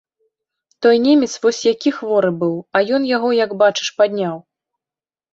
Той немец вось які хворы быў, а ён яго, як бачыш, падняў.